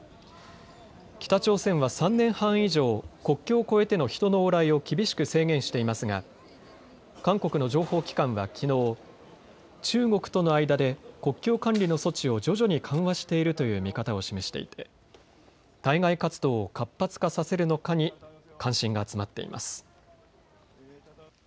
北朝鮮は３年半以上、国境を越えての人の往来を厳しく制限していますが韓国の情報機関はきのう、中国との間で国境管理の措置を徐々に緩和しているという見方を示していて対外活動を活発化させるのかに関心が集まっています。